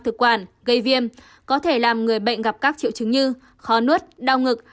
thực quản gây viêm có thể làm người bệnh gặp các triệu chứng như khó nuốt đau ngực